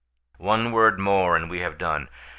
"One word more and we have done.